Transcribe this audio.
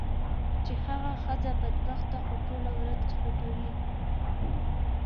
چې هغه ښځه بدبخته خو ټوله ورځ خوټوي.